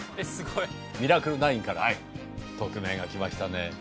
『ミラクル９』から特命が来ましたね。